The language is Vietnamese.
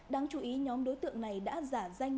đáng chú ý nhóm đối tượng này đã giả danh